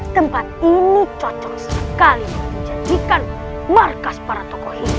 tempat ini cocok sekali untuk dijadikan markas para tokoh ini